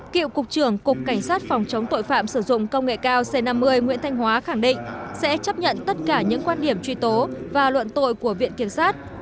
cựu cục trưởng cục cảnh sát phòng chống tội phạm sử dụng công nghệ cao c năm mươi nguyễn thanh hóa khẳng định sẽ chấp nhận tất cả những quan điểm truy tố và luận tội của viện kiểm sát